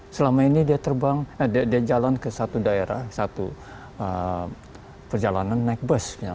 selama ini dia terbang dia jalan ke satu daerah satu perjalanan naik bus